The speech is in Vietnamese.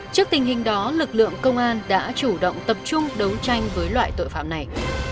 trước tình hình đó lực lượng công an đã chủ động tập trung đấu tranh với loại tội phạm này